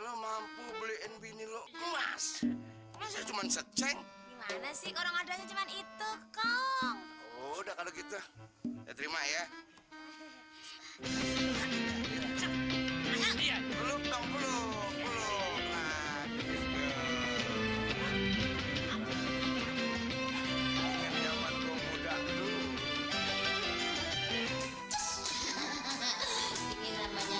lo mampu beliin bini lo kemas cuma sekseng gimana sih orang orang cuma itu kong udah kalau gitu ya